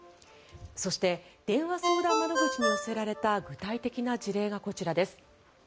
そして電話相談窓口に寄せられた具体的な事例がこちらです。